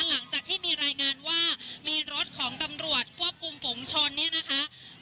หลังจากที่มีรายงานว่ามีรถของตำรวจควบคุมฝุงชนเนี่ยนะคะ